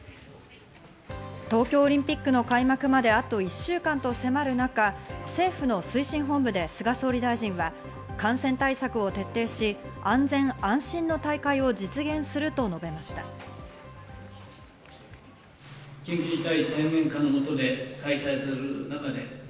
東京オリンピックの開幕まであと１週間と迫る中、政府の推進本部で菅総理大臣は、感染対策を徹底し、安全・安心の大会を実現すると述べました。